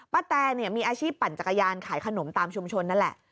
แตมีอาชีพปั่นจักรยานขายขนมตามชุมชนนั่นแหละ